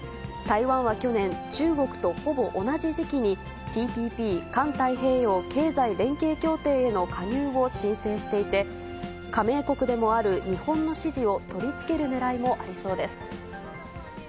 台湾は去年、中国とほぼ同じ時期にＴＰＰ・環太平洋経済連携協定への加入を申請していて、加盟国でもある日本の支持を取り付けるねらいもありそうです。